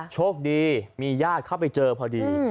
ช่วงดีย่าเข้าไปเจอพอดี